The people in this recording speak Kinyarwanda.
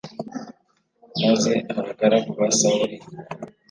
Maze abagaragu ba Sawuli